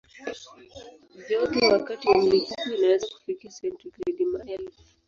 Joto wakati wa mlipuko inaweza kufikia sentigredi maelfu.